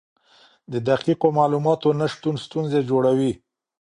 د دقیقو معلوماتو نشتون ستونزې جوړوي.